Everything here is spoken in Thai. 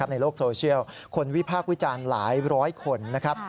ในโลกโซเชียลคนวิพากษ์วิจารณ์หลายร้อยคนนะครับ